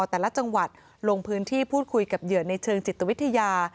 แต่ละจังหวัดลงพื้นที่พูดคุยเชิงจิตวิทยา